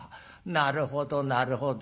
なるほどなるほど。